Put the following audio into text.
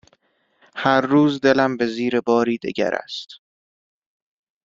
هر روز دلم به زیر باری دگر است